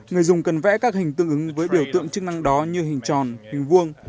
người dùng cần vẽ các hình tương ứng với biểu tượng chức năng đó như hình tròn hình vuông